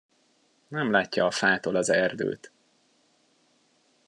Nem látja a fától az erdőt.